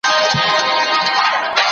کېدای سي مسخره سوی قوم تر نورو غوره وي.